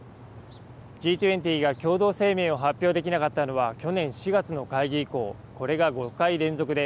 Ｇ２０が共同声明を発表できなかったのは、去年４月の会議以降、これが５回連続で、